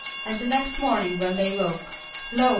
And the next morning when they woke, lo!